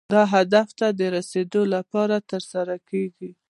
دا هدف ته د رسیدو لپاره ترسره کیږي.